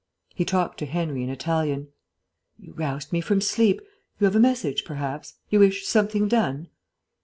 He talked to Henry in Italian. "You roused me from sleep. You have a message, perhaps? You wish something done?"